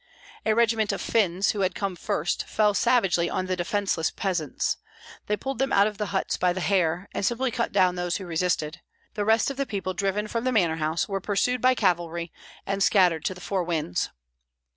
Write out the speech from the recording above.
A regiment of Finns, who had come first, fell savagely on the defenceless peasants. They pulled them out of the huts by the hair, and simply cut down those who resisted; the rest of the people driven from the manor house were pursued by cavalry and scattered to the four winds.